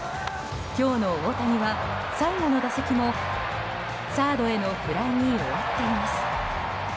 今日の大谷は最後の打席もサードへのフライに終わっています。